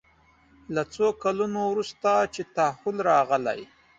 له څو کلونو وروسته چې تحول راغلی.